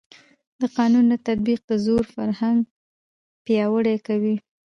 د قانون نه تطبیق د زور فرهنګ پیاوړی کوي